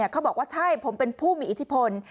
เขาบอกว่าใช่ผมเป็นผู้มีอิทธิพล